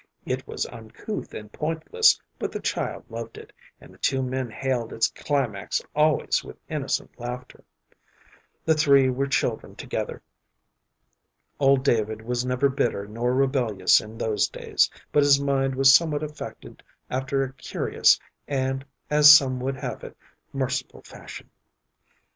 It was uncouth and pointless, but the child loved it, and the two men hailed its climax always with innocent laughter. The three were children together. Old David was never bitter nor rebellious in those days, but his mind was somewhat affected after a curious and, as some would have it, merciful fashion.